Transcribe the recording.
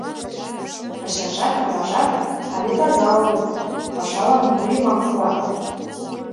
Ачажат, аважат але таза улыт, пашалан вуйымак пуат.